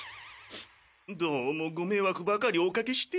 どうもご迷惑ばかりおかけして。